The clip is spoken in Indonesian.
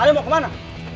alin mau kemana